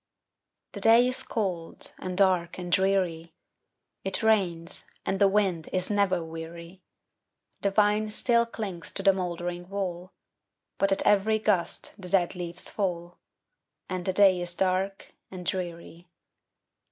The day is cold, and dark, and dreary; It rains, and the wind is never weary; The vine still clings to the moldering wall, But at every gust the dead leaves fall, And the day is dark and dreary.